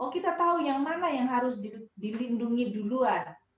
kita tahu yang mana yang harus dilindungi duluan